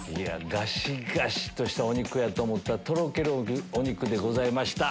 ガシガシとしたお肉やと思ったらとろけるお肉でございました。